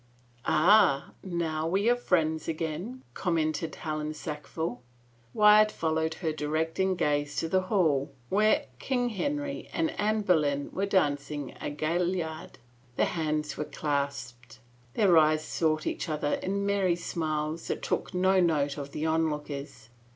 " Ah, now we are friends again I " commented Helen Sackville. Wyatt followed her directing gaze to the hall where King Henry and Anne Boleyn were dancing a gaillard. Their hands were clasped; their eyes sought each other in merry smiles that took no note of the onlookers.